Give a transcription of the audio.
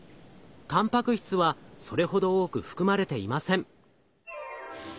たんぱく質はそれほど多く含まれていません。